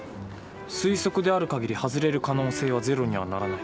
推測である限り外れる可能性はゼロにはならない。